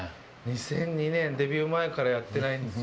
２００２年、デビュー前からやってないんですよ。